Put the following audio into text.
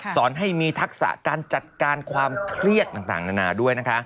สอนให้มีทักษะการจัดการความเครียดต่างนานาด้วยนะคะ